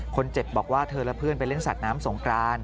คนเจ็บบอกว่าเธอและเพื่อนไปเล่นสัตว์น้ำสงกราน